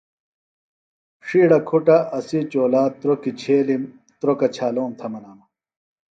ݜیڑہ کُھٹہ اسی چولا تروکیۡ چھیلِم تروۡکہ چھالوم تھےۡ منانہ